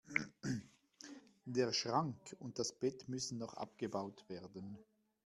Der Schrank und das Bett müssen noch abgebaut werden.